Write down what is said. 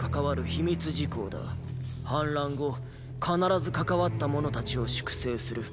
反乱後必ず関わった者たちを粛清する。